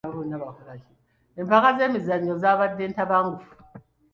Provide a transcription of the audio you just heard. Empaka z'emizannyo zaabadde ntabangufu.